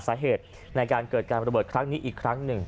สาเหตุในการเกิดการระเบิดครั้งนี้อีกครั้งหนึ่ง